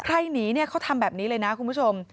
หนีเนี่ยเขาทำแบบนี้เลยนะคุณผู้ชม